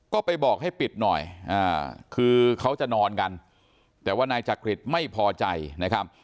ก็ไปบอกให้ปิดหน่อยคือเขาจะนอนกันแต่ว่านายจักริตไม่พอใจนะครับ